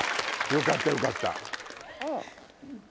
よかったよかった。